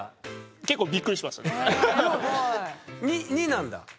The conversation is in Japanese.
２なんだ。